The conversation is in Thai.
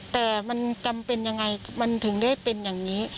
แต่มันจำเป็นยังไงมันถึงได้เป็นอย่างนี้